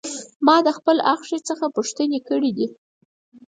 ما د خپل اخښي څخه پوښتنې کړې دي.